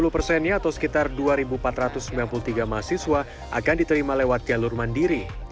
sepuluh persennya atau sekitar dua empat ratus sembilan puluh tiga mahasiswa akan diterima lewat jalur mandiri